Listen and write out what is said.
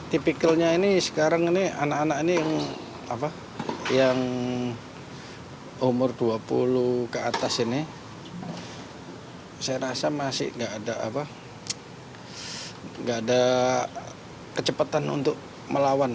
tipikalnya ini sekarang ini anak anak ini yang umur dua puluh ke atas ini saya rasa masih nggak ada kecepatan untuk melawan